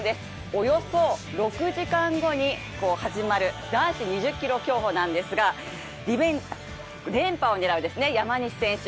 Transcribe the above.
およそ６時間後に始まる男子２０ｋｍ競歩なんですが連覇を狙う山西選手。